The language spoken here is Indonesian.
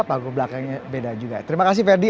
panggung belakangnya beda juga terima kasih ferdi